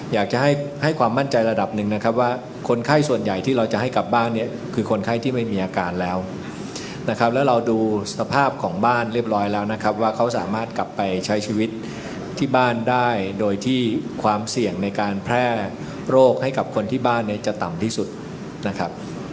อยากจะให้ความมั่นใจระดับหนึ่งนะครับว่าคนไข้ส่วนใหญ่ที่เราจะให้กลับบ้านเนี่ยคือคนไข้ที่ไม่มีอาการแล้วนะครับแล้วเราดูสภาพของบ้านเรียบร้อยแล้วนะครับว่าเขาสามารถกลับไปใช้ชีวิตที่บ้านได้โดยที่ความเสี่ยงในการแพร่โรคให้กับคนที่บ้านเนี่ยจะต่ำที่สุดนะครับ